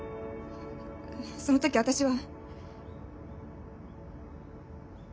その時私は。